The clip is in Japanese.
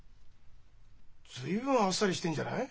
随分あっさりしてんじゃない？